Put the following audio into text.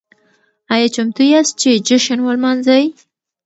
ايا چمتو ياست چې جشن ولمانځئ؟